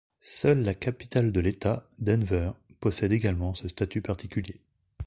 Seule la capitale de l'État, Denver, possède également ce statut particulier.